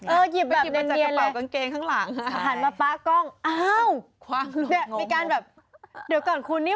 เออหยิบแบบเนียนเลยเออหยิบมาจากกางเกงข้างหลังเห็นไหม